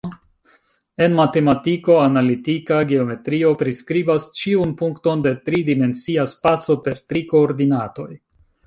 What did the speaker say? En matematiko, analitika geometrio, priskribas ĉiun punkton de tri-dimensia spaco per tri koordinatoj.